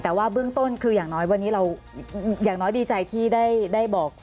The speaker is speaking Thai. แต่ว่าเบื้องต้นคืออย่างน้อยวันนี้เราอย่างน้อยดีใจที่ได้บอก